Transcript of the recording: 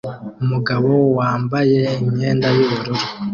Umugabo wambaye imyenda yubururu